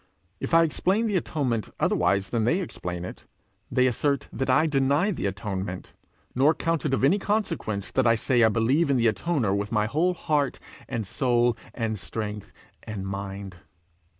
If I explain the atonement otherwise than they explain it, they assert that I deny the atonement; nor count it of any consequence that I say I believe in the atoner with my whole heart, and soul, and strength, and mind.